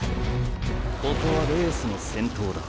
ここはレースの先頭だ。